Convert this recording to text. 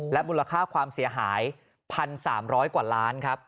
มูลค่าความเสียหาย๑๓๐๐กว่าล้านครับ